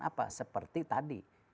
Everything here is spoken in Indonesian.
apa seperti tadi